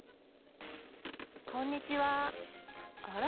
こんにちはあら？